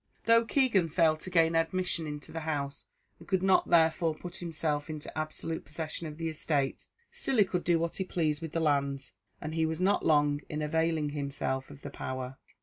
Though Keegan failed to gain admission into the house, and could not therefore put himself into absolute possession of the estate, still he could do what he pleased with the lands, and he was not long in availing himself of the power.